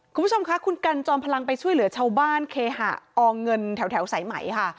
คุณผู้ชมค่ะคุณกันจอมพลังไปช่วยเหลือชาวบ้านเคหะอเงินแถวสายไหมค่ะ